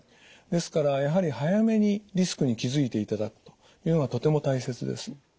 ですからやはり早めにリスクに気付いていただくというのがとても大切です。